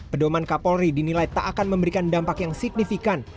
pedoman kapolri dinilai tak akan memberikan dampak yang signifikan